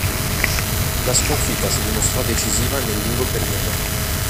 La sconfitta si dimostrò decisiva nel lungo periodo.